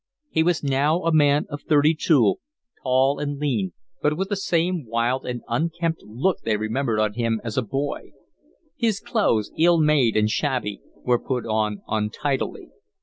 He was now a man of thirty two, tall and lean, but with the same wild and unkempt look they remembered on him as a boy. His clothes, ill made and shabby, were put on untidily.